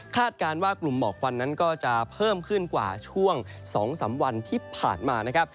การว่ากลุ่มหมอกวันนั้นก็จะเพิ่มขึ้นกว่าช่วง๒๓วันที่ผ่านมานะครับ